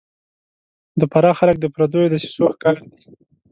د فراه خلک د پردیو دسیسو ښکار دي